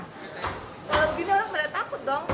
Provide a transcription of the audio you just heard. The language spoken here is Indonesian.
kalau begini orang merasa takut dong